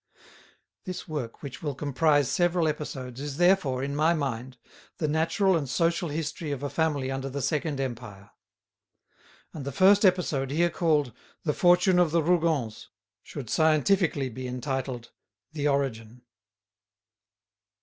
This work, which will comprise several episodes, is therefore, in my mind, the natural and social history of a family under the Second Empire. And the first episode, here called "The Fortune of the Rougons," should scientifically be entitled "The Origin."